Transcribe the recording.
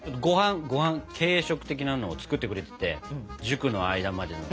ごはん軽食的なのを作ってくれてて塾の間までの。